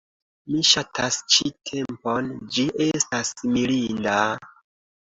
Mi ŝatas ĉi tempon, ĝi estas mirinda...